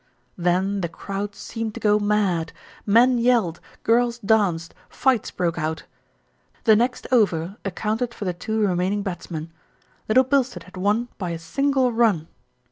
Then the crowd seemed to go mad. Men yelled, girls danced, fights broke out. The next over accounted for the two remaining bats men. Little Bilstead had won by a single run